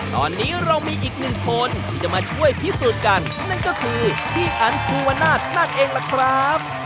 ตอนนี้เรามีอีกหนึ่งคนที่จะมาช่วยพิสูจน์กันนั่นก็คือพี่อันภูวนาศนั่นเองล่ะครับ